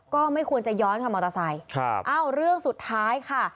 ก็ไม่ควรจะย้อนค่ะมอเตอร์ไซค์ครับเอ้าเรื่องสุดท้ายค่ะ